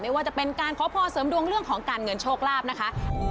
ว่าจะเป็นการขอพรเสริมดวงเรื่องของการเงินโชคลาภนะคะ